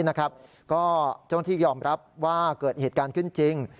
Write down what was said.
เจ้าหน้าที่ยอมรับว่าเกิดเหตุการณ์ขึ้นจริง